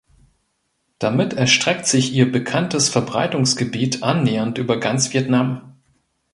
Damit erstreckt sich ihr bekanntes Verbreitungsgebiet annähernd über ganz Vietnam.